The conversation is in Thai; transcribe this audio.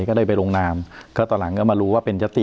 ก็ได้ไปลงนามก็ตอนหลังก็มารู้ว่าเป็นยัตติ